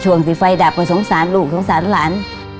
ที่ไฟดับก็สงสารลูกสงสารหลาน